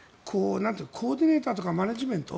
コーディネーターとかマネジメント